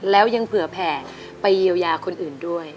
แล้วยังเผื่อแผ่ไปเยียวยาคนอื่นด้วย